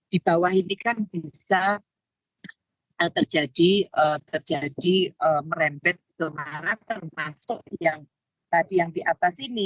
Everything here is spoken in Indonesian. di bawah ini kan bisa terjadi merembet ke mana termasuk yang tadi yang di atas ini